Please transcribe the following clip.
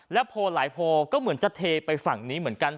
โพลหลายโพลก็เหมือนจะเทไปฝั่งนี้เหมือนกัน